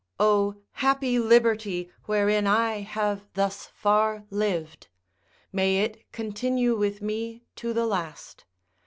O happy liberty wherein I have thus far lived. May it continue with me to the last.